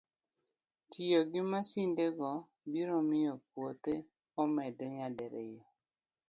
Tiyo gi masindego biro miyo puothe omedre nyadiriyo